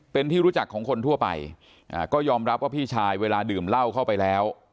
เป็นที่รู้จักของคนทั่วไปก็ยอมรับว่าพี่ชายเวลาดื่มเหล้าเข้าไปแล้ว